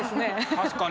確かに。